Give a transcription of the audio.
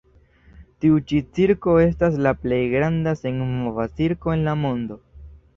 Tiu ĉi cirko estas la plej granda senmova cirko en la mondo.